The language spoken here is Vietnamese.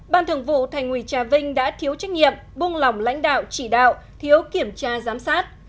ban thường vụ thành ủy trà vinh đã thiếu trách nhiệm buông lỏng lãnh đạo chỉ đạo thiếu kiểm tra giám sát